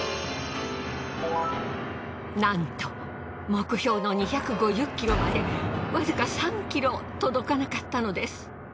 なんと目標の２５０ｋｇまでわずか３ｋｇ届かなかったのです。